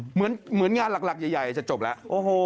เหมือนงานหลักใหญ่จะจบแล้ว